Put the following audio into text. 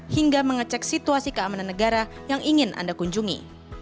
hingga mengecek situasi keamanan negara yang ingin anda kunjungi